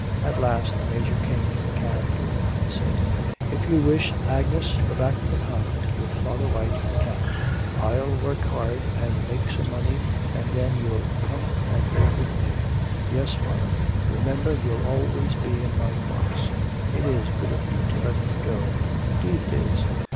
At last the Major came to the cab door and said: 'If you wish, Agnes, to go back to the convent with Father White you can. I'll work hard and make some money and then you'll come and live with me.' 'Yes, father.... Remember you'll always be in my thoughts... It is good of you to let me go, indeed it is.